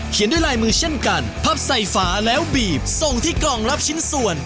ด้วยลายมือเช่นกันพับใส่ฝาแล้วบีบส่งที่กล่องรับชิ้นส่วน